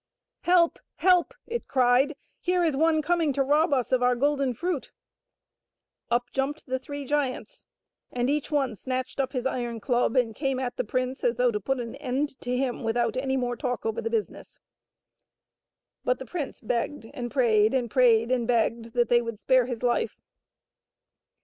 " Help ! help !" it cried. " Here is one coming to rob us of our golden fruit !" Up jumped the three giants, and each one snatched up his iron club and came at the prince as though to put an end to him without any more talk over the business. But the prince begged and prayed and prayed and begged that they would spare his life.